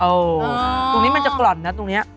โอ้วตรงนี้มันจะกร่อนนะ